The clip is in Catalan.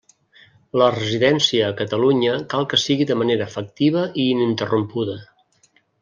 La residència a Catalunya cal que sigui de manera efectiva i ininterrompuda.